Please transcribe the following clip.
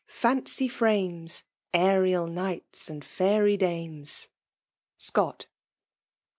Fancy frames Aerial knights and fairy dames. Scott.